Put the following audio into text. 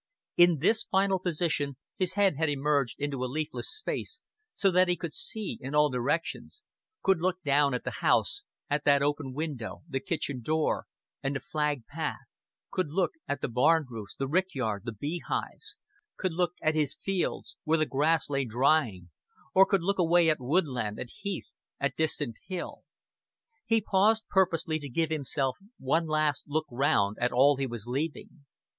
In this final position his head had emerged into a leafless space, so that he could see in all directions; could look down at the house, at that open window, the kitchen door, and the flagged path; could look at the barn roofs, the rick yard, the beehives; could look at his fields, where the grass lay drying; or could look away at woodland, at heath, at distant hill. He paused purposely to give himself one last look round at all he was leaving.